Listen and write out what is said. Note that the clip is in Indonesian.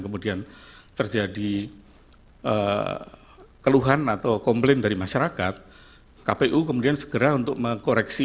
kemudian terjadi keluhan atau komplain dari masyarakat kpu kemudian segera untuk mengkoreksi